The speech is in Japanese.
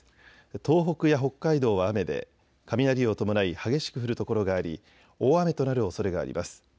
東北や北海道は雨で雷を伴い激しく降る所があり大雨となるおそれがあります。